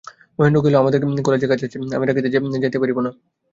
মহেন্দ্র কহিল, আমার কালেজ আছে, আমি রাখিতে যাইতে পারিব না।